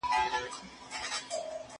هغه وویل چې اوبه مهمي دي،